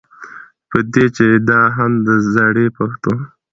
په دې چې دا هم د زړې پښتو